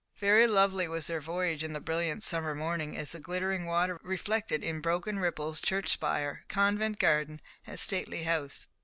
Very lovely was their voyage in the brilliant summer morning, as the glittering water reflected in broken ripples church spire, convent garden, and stately house.